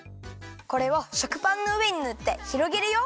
これを食パンのうえにぬってひろげるよ。